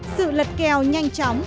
sự lật kèo nhanh chóng